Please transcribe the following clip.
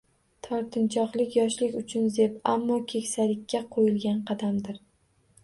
Tortinchoqlik yoshlik uchun zeb, ammo keksalikka qo’yilgan qadamdir.